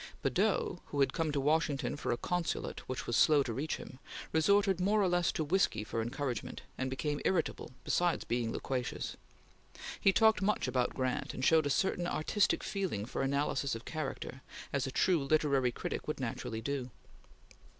Badeau, who had come to Washington for a consulate which was slow to reach him, resorted more or less to whiskey for encouragement, and became irritable, besides being loquacious. He talked much about Grant, and showed a certain artistic feeling for analysis of character, as a true literary critic would naturally do.